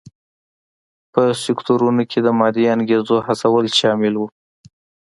په سکتورونو کې د مادي انګېزو هڅول شامل و.